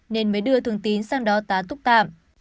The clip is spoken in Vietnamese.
nên mới đưa thường tín sang đó tá túc tạm